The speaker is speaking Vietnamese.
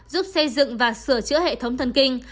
giúp xây dựng và sửa chữa hệ thống thân kinh